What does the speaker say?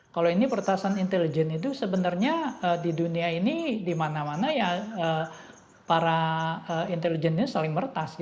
kalau ini pertasan intelijen itu sebenarnya di dunia ini di mana mana ya para intelijen ini saling mertas